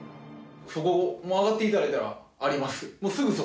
そこ上がって頂いたらあります。